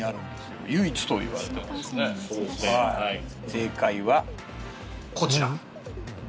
正解はこちら。